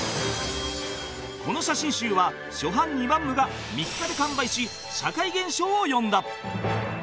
この写真集は初版２万部が３日で完売し社会現象を呼んだ